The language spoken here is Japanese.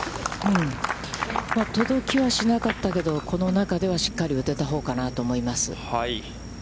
届きはしなかったけど、この中では、しっかり打てたほうかなと思います。